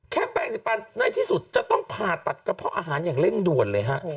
แปลง๑๐ตันในที่สุดจะต้องผ่าตัดกระเพาะอาหารอย่างเร่งด่วนเลยฮะ